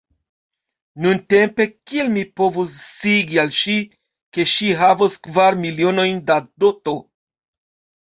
Nuntempe, kiel mi povus sciigi al ŝi, ke ŝi havos kvar milionojn da doto?